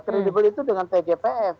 credible itu dengan tgpf